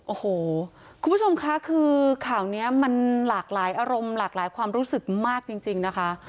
โอ้โหคุณผู้ชมค่ะคือข่าวนี้มันหลากหลายอารมณ์หลากหลายความรู้สึกมากจริงนะคะ